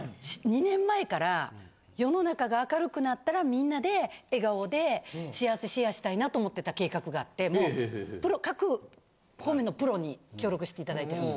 ２年前から世の中が明るくなったらみんなで笑顔で幸せシェアしたいなと思ってた計画があってプロ各方面のプロに協力していただいてる。